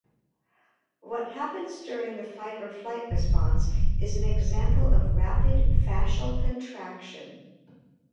What happens during the fight-or-flight response is an example of rapid fascial contraction.